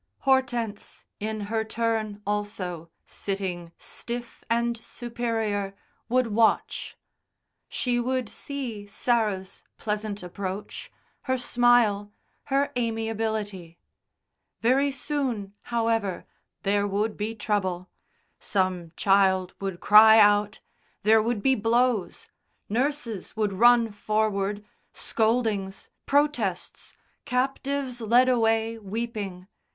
Hortense, in her turn also, sitting, stiff and superior, would watch. She would see Sarah's pleasant approach, her smile, her amiability. Very soon, however, there would be trouble some child would cry out; there would be blows; nurses would run forward, scoldings, protests, captives led away weeping